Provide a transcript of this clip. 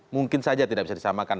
mungkin saja tidak bisa disamakan